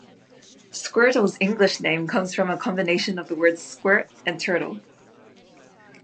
Squirtle's English name comes from a combination of the words "squirt" and "turtle.